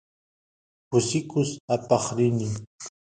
kusikus aqaq rini